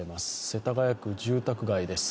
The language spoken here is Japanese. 世田谷区、住宅街です。